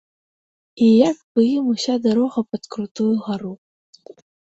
І як бы ім уся дарога пад крутую гару.